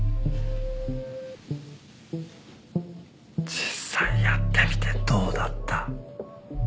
実際やってみてどうだった？